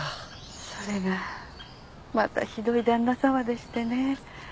それがまたひどい旦那さまでしてね。